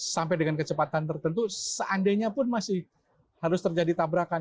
sampai dengan kecepatan tertentu seandainya pun masih harus terjadi tabrakan